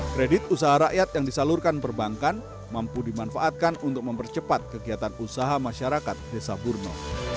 kredit usaha rakyat yang disalurkan perbankan mampu dimanfaatkan untuk mempercepat kegiatan usaha masyarakat desa burno